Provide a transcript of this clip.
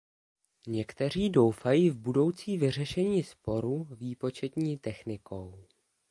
Někteří doufají v budoucí vyřešení sporu výpočetní technikou.